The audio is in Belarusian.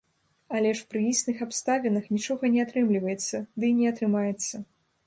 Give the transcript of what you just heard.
Але ж пры існых абставінах нічога не атрымліваецца, дый не атрымаецца.